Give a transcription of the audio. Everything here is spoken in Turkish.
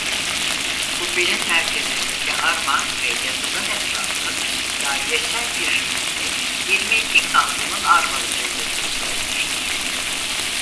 Kubbenin merkezindeki arma ve yazının etrafı dairesel bir şekilde yirmi iki kantonun armalarıyla süslenmiştir.